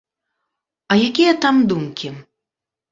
А якія там думкі?